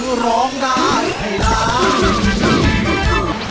คือร้องได้ให้ล้าน